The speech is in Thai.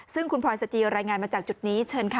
ซึ่งคุณพลอยสจีรายงานมาจากจุดนี้เชิญค่ะ